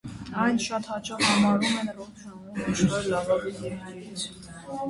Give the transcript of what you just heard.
Այն շատ հաճախ համարում են ռոք ժանրում աշխարհի լավագույն երգերից։